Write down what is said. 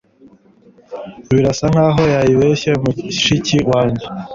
Birasa nkaho yanyibeshye mushiki wanjye